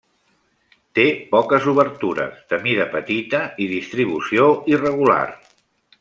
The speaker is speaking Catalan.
Té poques obertures, de mida petita i distribució irregular.